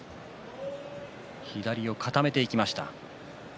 左を固めていきました。